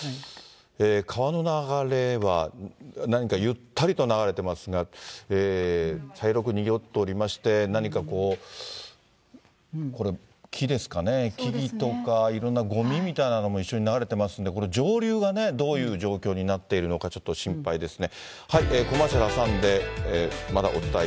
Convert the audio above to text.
川の流れは何かゆったりと流れていますが、茶色く濁っておりまして、何かこう、これ、木ですかね、木々とかいろんなごみみたいなのも一緒に流れてますんで、これ、上流はね、どういう状況になってるのか、ちょっと心配ですね。